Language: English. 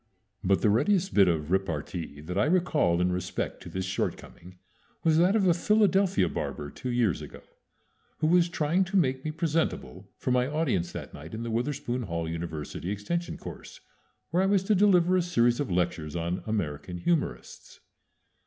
But the readiest bit of repartee that I recall in respect to this shortcoming was that of a Philadelphia barber two years ago, who was trying to make me presentable for my audience that night in the Witherspoon Hall University extension course, where I was to deliver a series of lectures on American humorists.